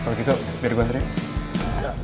kalau gitu biar gue anterin